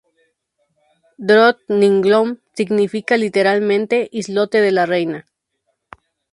Drottningholm significa literalmente "Islote de la reina".